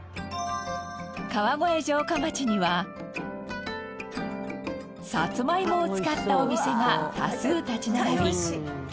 川越城下町にはさつまいもを使ったお店が多数立ち並び